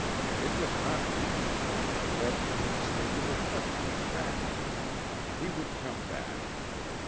It was not reasoning, but an instinctive oppression of fact. He would come back.